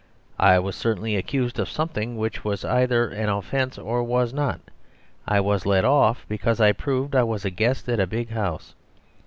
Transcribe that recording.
I was certainly accused of something which was either an offence or was not. I was let off because I proved I was a guest at a big house.